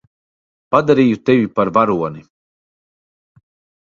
Padarīju tevi par varoni.